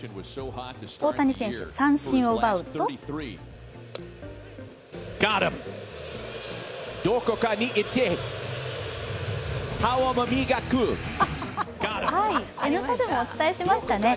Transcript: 大谷選手、三振を奪うと「Ｎスタ」でもお伝えしましたね。